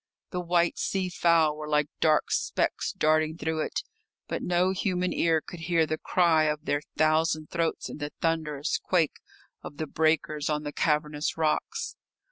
The white sea fowl were like dark specks darting through it, but no human ear could hear the cry of their thousand throats in the thunderous quake of the breakers on the cavernous rocks.